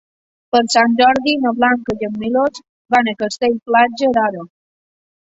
Per Sant Jordi na Blanca i en Milos van a Castell-Platja d'Aro.